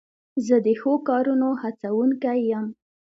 زه د ښو کارونو هڅوونکی یم.